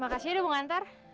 makasih ya udah mengantar